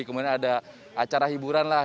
kemudian ada acara hiburan lah